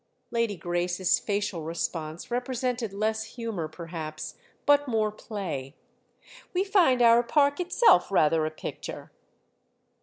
Lady Grace's facial response represented less humour perhaps, but more play. "We find our park itself rather a picture."